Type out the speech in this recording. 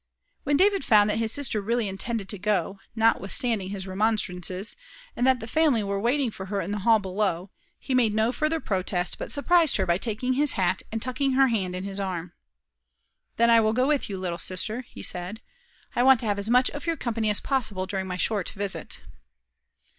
When David found that his sister really intended to go, notwithstanding his remonstrances, and that the family were waiting for her in the hall below, he made no further protest, but surprised her by taking his hat, and tucking her hand in his arm. "Then I will go with you, little sister," he said. "I want to have as much of your company as possible during my short visit."